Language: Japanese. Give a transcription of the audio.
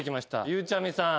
ゆうちゃみさん。